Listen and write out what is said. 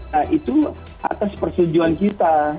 nah itu atas persetujuan kita